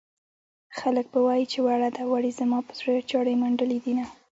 خلک به وايي چې وړه ده وړې زما په زړه چړې منډلې دينه